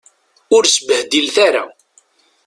Ur sbehdilet ara.